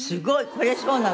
これそうなの？